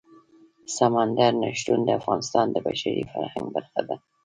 سمندر نه شتون د افغانستان د بشري فرهنګ برخه ده.